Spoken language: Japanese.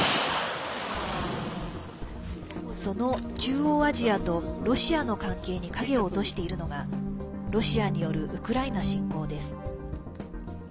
その中央アジアとロシアの関係に影を落としているのがロシアによるウクライナ侵攻です。